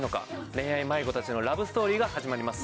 恋愛迷子たちのラブストーリーが始まります。